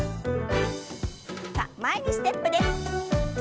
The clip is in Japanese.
さあ前にステップです。